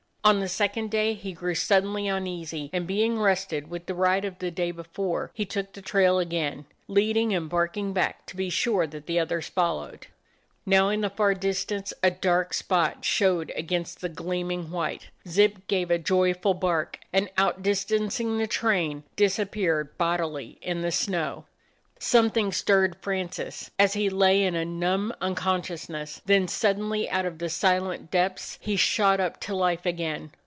On the second day he grew suddenly uneasy, and being rested with the ride of the day be fore, he took the trail again, leading and bark ing back, to be sure that the others followed. 50 A DOG OF THE NORTHLAND Now in the far distance a dark spot showed against the gleaming white. Zip gave a joy ful bark, and, outdistancing the train, dis appeared bodily in the snow. Something stirred Francis, as he lay in a numb unconsciousness; then suddenly out of the silent depths he shot up to life again.